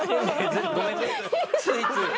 ついつい。